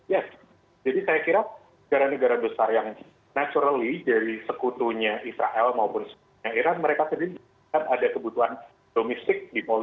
ya jadi saya kira negara negara besar yang natural ly dari sekurang kurangnya itu akan menjadikan negara negara besar yang tidak akan mencari kemampuan